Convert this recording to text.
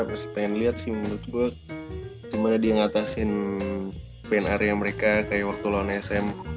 masih pengen liat sih menurut gue gimana dia ngatasin pain area mereka kayak waktu lona sm